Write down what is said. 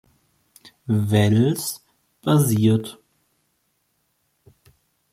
Wells basiert.